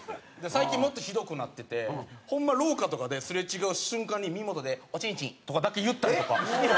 最近もっとひどくなっててホンマ廊下とかですれ違う瞬間に耳元で「おチンチン」とかだけ言ったりとか。